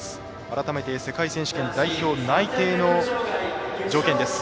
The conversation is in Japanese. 改めて、世界選手権代表内定の条件です。